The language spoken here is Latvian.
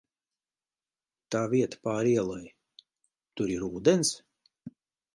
Tā vieta pāri ielai, tur ir ūdens?